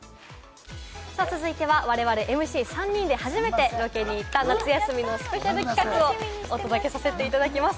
続いては、我々ＭＣ３人で初めてロケに行った夏休みのスペシャル企画をお届けさせていただきます。